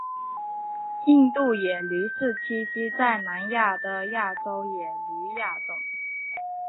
印度野驴是栖息在南亚的亚洲野驴亚种。